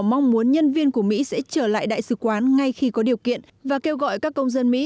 mong muốn nhân viên của mỹ sẽ trở lại đại sứ quán ngay khi có điều kiện và kêu gọi các công dân mỹ